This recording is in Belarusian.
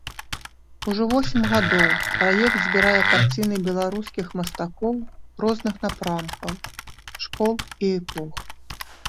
Ужо восем гадоў праект збірае карціны беларускіх мастакоў розных напрамкаў, школ і эпох.